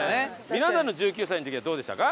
皆さんの１９歳の時はどうでしたか？